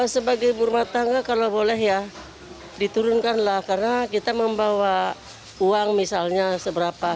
sebagai ibu rumah tangga kalau boleh ya diturunkan lah karena kita membawa uang misalnya seberapa